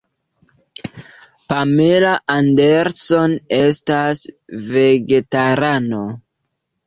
Pamela Anderson estas vegetarano.